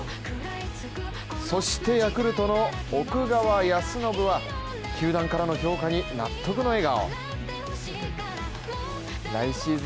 そしてヤクルトの奥川恭伸は球団からの評価に納得の笑顔。